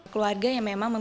keluarga yang memang memilih